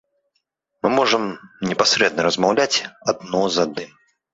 Мы можам непасрэдна размаўляць адно з адным.